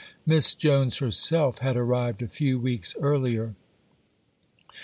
Miss Jones herself had arrived a few weeks earlier.